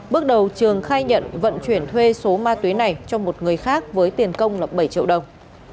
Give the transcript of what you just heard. bước đầu trường khai nhận vận chuyển thuê số ma túy này cho một người khác với tiền công là bảy triệu đồng